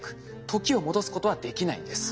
時を戻すことはできないんです。